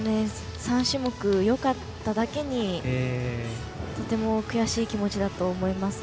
３種目よかっただけにとても悔しい気持ちだと思います。